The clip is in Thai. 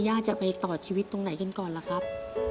ย่าจะไปต่อชีวิตตรงไหนกันก่อนล่ะครับ